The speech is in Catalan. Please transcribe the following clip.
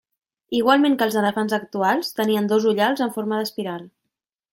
Igualment que els elefants actuals tenien dos ullals en forma d'espiral.